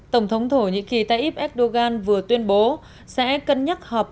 tổng thống thổ nhĩ kỳ taip erdogan vừa tuyên bố sẽ cân nhắc hợp